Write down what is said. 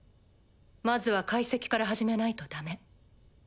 まずは解析から始めないとダメ。